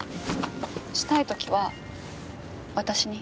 したい時は私に。